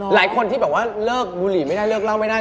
หลายคนที่บอกว่าเลิกบุหรี่ไม่ได้เลิกเล่าไม่ได้